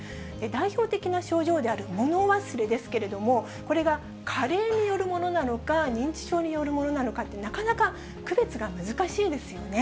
代表的な症状である物忘れですけれども、これが加齢によるものなのか、認知症によるものなのかって、なかなか区別が難しいですよね。